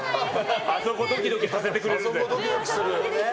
あそこドキドキさせてくれるぜ。